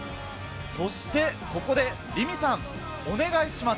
そしてここで凛美さん、お願いします。